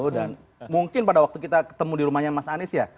dan mungkin pada waktu kita ketemu di rumahnya mas anies ya